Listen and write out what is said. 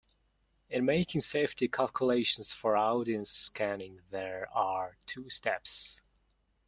In making safety calculations for audience scanning, there are two steps.